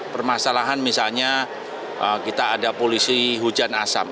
permasalahan misalnya kita ada polisi hujan asam